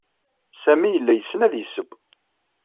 Sami yella yessen ad yesseww.